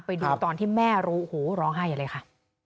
ไปดูตอนที่แม่รู้โหร้องไห้อะไรค่ะ